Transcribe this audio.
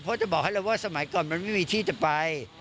เพราะจะบอกให้เลยว่าสมัยก่อนมันไม่มีที่จะไป